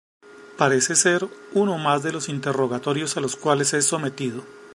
Parece ser uno más de los interrogatorios a los cuales es sometido.